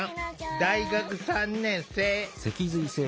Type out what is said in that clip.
大学３年生。